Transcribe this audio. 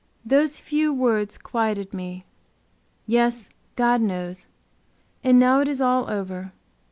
Those few words quieted me. Yes, God knows. And now it is all over.